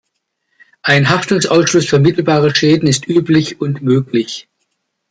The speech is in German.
Ein Haftungsausschluss für mittelbare Schäden ist üblich und möglich.